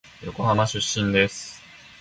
横浜出身です。